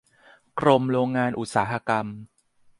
กรมโรงงานอุตสาหกรรม